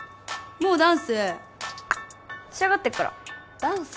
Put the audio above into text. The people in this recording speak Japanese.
もうダンス仕上がってっからダンス？